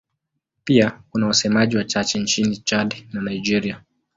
Pia kuna wasemaji wachache nchini Chad na Nigeria.